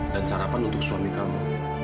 dan sarapan untuk suami kamu